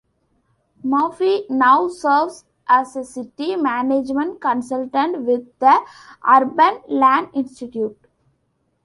Murphy now serves as a city management consultant with the Urban Land Institute.